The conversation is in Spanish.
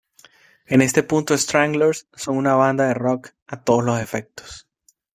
En este punto Stranglers son una banda de rock a todos los efectos.